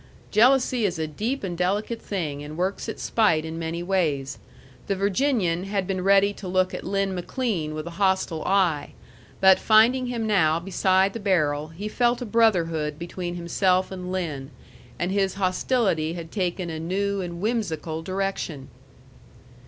Jealousy is a deep and delicate thing, and works its spite in many ways. The Virginian had been ready to look at Lin McLean with a hostile eye; but finding him now beside the barrel, he felt a brotherhood between himself and Lin, and his hostility had taken a new and whimsical direction.